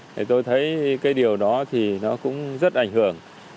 thì tôi thấy cái điều đó thì nó cũng rất ảnh hưởng